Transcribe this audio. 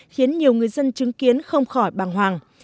khiến nhiều người dân chứng kiến không khỏi bàng hoàng